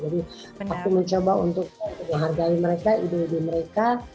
jadi aku mencoba untuk menghargai mereka hidup hidup mereka